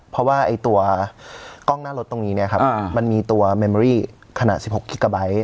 เพราะว่าตัวกล้องหน้ารถตรงนี้เนี่ยครับมันมีตัวเมมอรี่ขนาด๑๖กิกาไบท์